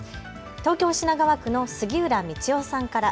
東京品川区の杉浦みちよさんから。